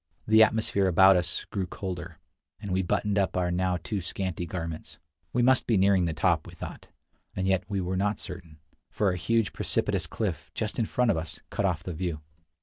The atmosphere about us grew colder, and we buttoned up our now too scanty garments. We must be nearing the top, we thought, and yet we were not certain, for a huge, precipitous cliff, just in front of us, cut off the view.